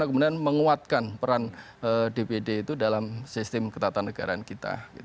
kemudian menguatkan peran dpd itu dalam sistem ketatanegaraan kita